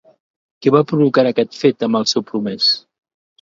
Què va provocar aquest fet en el seu promès?